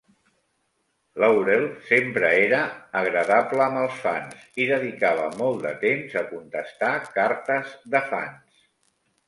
Laurel sempre era agradable amb els fans i dedicava molt de temps a contestar cartes de fans.